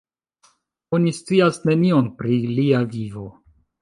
Oni scias nenion pri lia vivo.